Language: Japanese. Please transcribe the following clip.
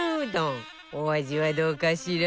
お味はどうかしら？